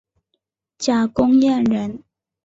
贾公彦人。